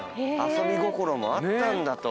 遊び心もあったんだと。